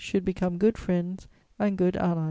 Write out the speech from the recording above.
should become good friends and good allies."